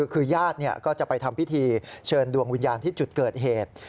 คือญาติก็จะไปทำพิธีเชิญดวงวิญญาณที่จุดเกิดเหตุ